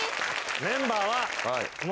メンバーは。えっ！？